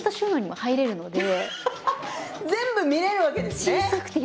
全部見えるわけですね。